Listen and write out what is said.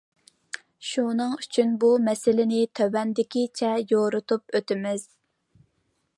شۇنىڭ ئۈچۈن بۇ مەسىلىنى تۆۋەندىكىچە يورۇتۇپ ئۆتىمىز.